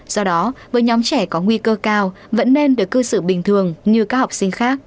do đó với nhóm trẻ có nguy cơ cao vẫn nên được cư xử bình thường như các học sinh khác